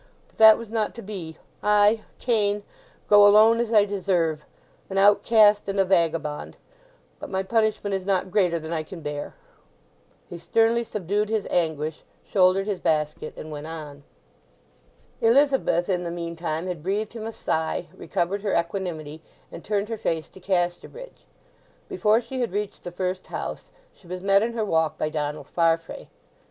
But that was not to be. I—Cain—go alone as I deserve—an outcast and a vagabond. But my punishment is not greater than I can bear!" He sternly subdued his anguish, shouldered his basket, and went on. Elizabeth, in the meantime, had breathed him a sigh, recovered her equanimity, and turned her face to Casterbridge. Before she had reached the first house she was met in her walk by Donald Farfrae.